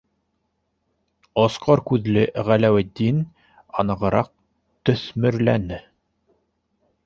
Осҡор күҙле Ғәләүетдин анығыраҡ төҫмөрләне: